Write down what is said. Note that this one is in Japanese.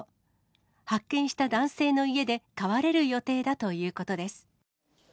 発見した男性の家で飼われる予定だということです。